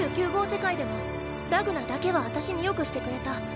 世界でもラグナだけは私に良くしてくれた。